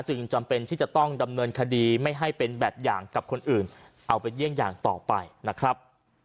จำเป็นที่จะต้องดำเนินคดีไม่ให้เป็นแบบอย่างกับคนอื่นเอาไปเยี่ยงอย่างต่อไปนะครับ